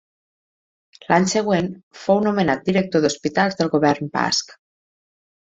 L'any següent fou nomenat Director d'Hospitals del Govern Basc.